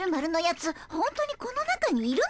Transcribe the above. ほんとにこの中にいるのかい？